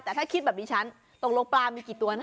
ถ้าคิดแบบนี้ฉันตรงโลกปลามีกี่ตัว